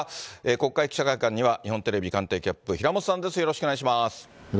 国会記者会館には日本テレビ官邸キャップ、平本さんです、よろしくお願いします。